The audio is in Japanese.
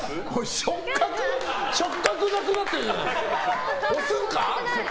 触覚なくなってるじゃん！